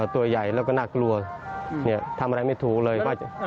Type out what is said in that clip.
ตัวใหญ่แล้วก็น่ากลัวทำอะไรไม่ถูกเลยว่าจะ